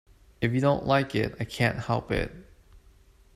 If you don't like it, I can't help it.